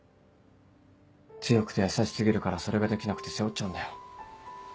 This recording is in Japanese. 強くて優し過ぎるからそれができなくて背負っちゃうんだよ。